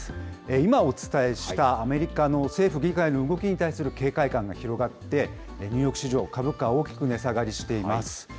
今お伝えしたアメリカの政府議会の動きに対する警戒感が広がって、ニューヨーク市場、株価、大きく値下がりしています。